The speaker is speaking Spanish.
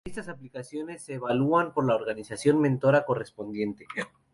Estas aplicaciones se evalúan por la organización mentora correspondiente.